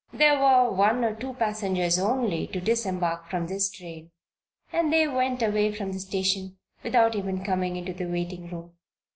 There were one or two passengers only to disembark from this train and they went away from the station without even coming into the waiting room.